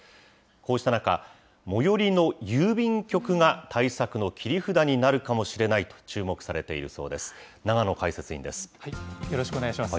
こうした中、最寄りの郵便局が対策の切り札になるかもしれないと注目されているそうです。